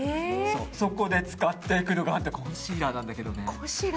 そこで使っていくのがコンシーラーなんだけどね。